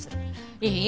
いい？